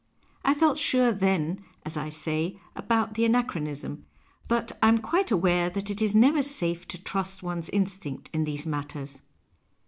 I felt sure, then, as I say, about the anachronism ; but I am quite aware that it is never safe to trust to one's instinct in these matters.